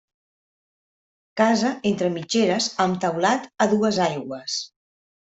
Casa entre mitgeres amb teulat a dues aigües.